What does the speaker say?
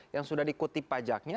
yang sudah dikutip pajaknya